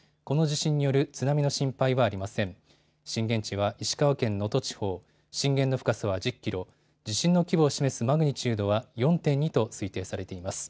震源の深さは１０キロ地震の規模を示すマグニチュードは４．２と推定されています。